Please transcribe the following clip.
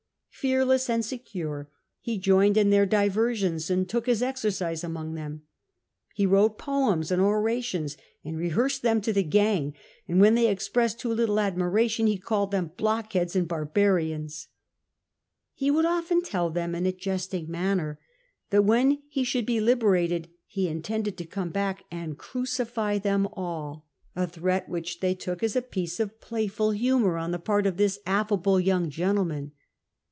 Fearless and secure, ho joined in their diver.siona, and took hia oxercLse among them. Ih) wrote poems ami oratnms, and re Iioarsed them to the gaug, and when they expressed too little admiration, ho called them blockheads and barbarian.^." Me would oltou tell thorn, in a jesting manner, that when be should be liberated, be intended to come hack luul oruaily them all, a threat C^SAR AND THE PIRATES 297 which they took as a piece of playful humour on the part of this affable young gentleman.